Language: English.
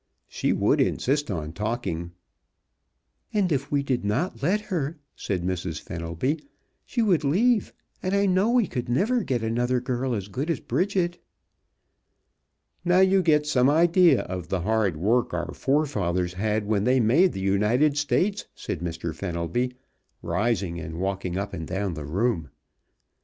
She would insist on talking." "And if we did not let her," said Mrs. Fenelby, "she would leave, and I know we could never get another girl as good as Bridget." "Now you get some idea of the hard work our forefathers had when they made the United States," said Mr. Fenelby, rising and walking up and down the room.